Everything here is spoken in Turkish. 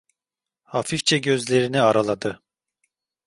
Hafifçe gözlerini araladı.